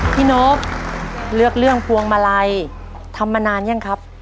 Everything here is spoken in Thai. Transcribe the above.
พี่นพเลือกเรื่องภวงมาลัยทำมานานหรือยังครับ